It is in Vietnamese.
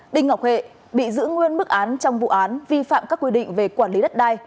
đinh ngọc hệ bị giữ nguyên mức án trong vụ án vi phạm các quy định về quản lý đất đai